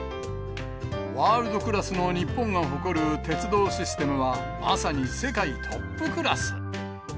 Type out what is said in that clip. ワールドクラスの日本が誇る鉄道システムは、まさに世界トップクラス。